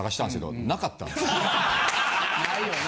ないよな。